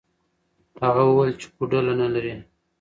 هغه وویل چې کوډله نه لري.